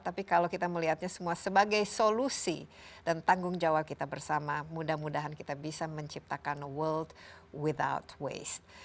tapi kalau kita melihatnya semua sebagai solusi dan tanggung jawab kita bersama mudah mudahan kita bisa menciptakan world without waste